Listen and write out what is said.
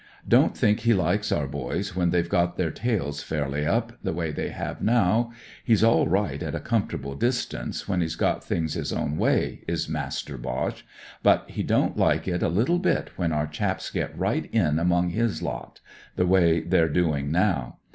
Don't think he likes our boys when they've got their tails fairly up, the way they have now. He's all right at a comfortable distance, when he's got things his own way, is Master Boche ; but he don't like it a little bit when our chaps get right in among his lot, the 184 AlSrB\lJAN VS A FIGHTER way they're doing now.